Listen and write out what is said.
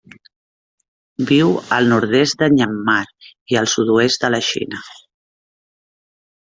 Viu al nord-est de Myanmar i el sud-oest de la Xina.